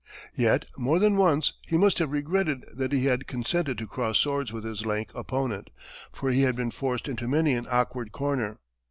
Yet more than once he must have regretted that he had consented to cross swords with his lank opponent, for he had been forced into many an awkward corner.